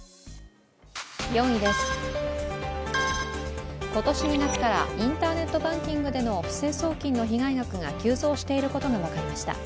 ４位です、今年２月からインターネットバンキングでの不正送金の被害額が急増していることが分かりました。